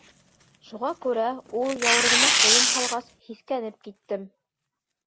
Шуға күрә, ул яурыныма ҡулын һалғас, һиҫкәнеп киттем.